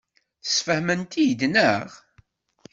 Tesfehmem-t-id, naɣ?